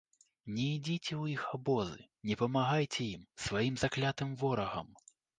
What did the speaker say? Не ідзіце ў іх абозы, не памагайце ім, сваім заклятым ворагам!